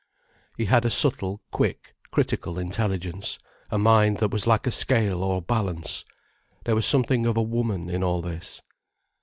He had a subtle, quick, critical intelligence, a mind that was like a scale or balance. There was something of a woman in all this.